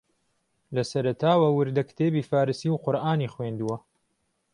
لە سەرەتاوە وردەکتێبی فارسی و قورئانی خوێندووە